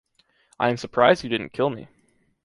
I am surprised you didn’t kill me.